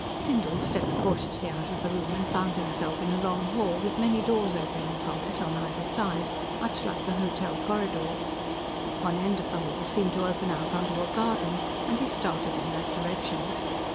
Tyndall stepped cautiously out of the room and found himself in a long hall, with many doors opening from it on either side, much like a hotel corridor. One end of the hall seemed to open out onto a garden and he started in that direction.